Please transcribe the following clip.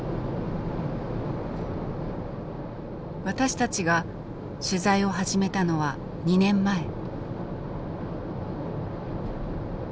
私たちが取材を始めたのは２年前。